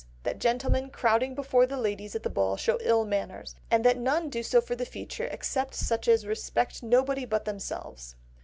That gentlemen crowding before the ladies at the ball show ill manners; and that none do so for the future except such as respect nobody but themselves.